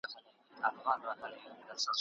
د علمي څېړنو په برخه کې خپل مهارتونه لوړ کړئ.